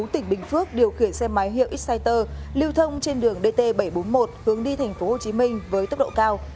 tỉnh bình phước điều khiển xe máy hiệu exciter lưu thông trên đường dt bảy trăm bốn mươi một hướng đi tp hcm với tốc độ cao